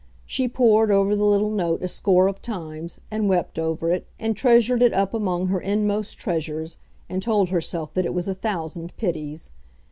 She pored over the little note a score of times, and wept over it, and treasured it up among her inmost treasures, and told herself that it was a thousand pities.